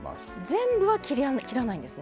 全部は切らないんですね。